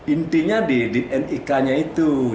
intinya di nik nya itu